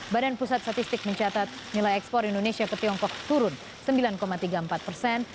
badan pusat statistik mencatat nilai ekspor indonesia ke tiongkok turun sembilan tiga puluh empat persen